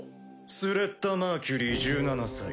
スレッタ・マーキュリー１７歳。